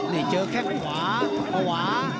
นี่เจอก่างขวางขวาง